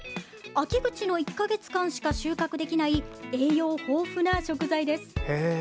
秋口の１か月間しか収穫できない栄養豊富な食材です。